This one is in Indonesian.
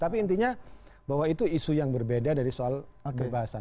tapi intinya bahwa itu isu yang berbeda dari soal kebebasan